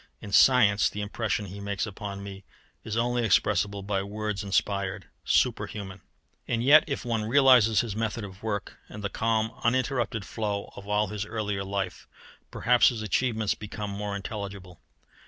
In science, the impression he makes upon me is only expressible by the words inspired, superhuman. And yet if one realizes his method of work, and the calm, uninterrupted flow of all his earlier life, perhaps his achievements become more intelligible.